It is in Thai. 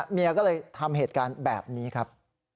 เมียก็เลยทำเหตุการณ์แบบนี้ครับ